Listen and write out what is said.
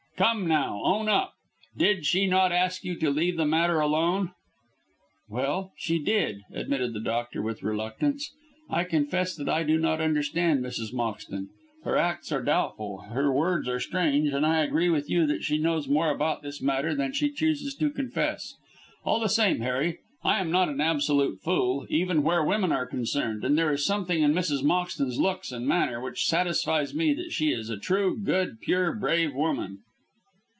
Come, now, own up! Did she not ask you to leave the matter alone?" "Well, she did," admitted the doctor, with reluctance. "I confess that I do not understand Mrs. Moxton. Her acts are doubtful, her words are strange, and I agree with you that she knows more about this matter than she chooses to confess. All the same, Harry, I am not an absolute fool, even where women are concerned; and there is something in Mrs. Moxton's looks and manner which satisfies me that she is a true, good, pure, brave woman."